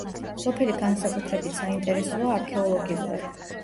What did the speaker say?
სოფელი განსაკუთრებით საინტერესოა არქეოლოგიურად.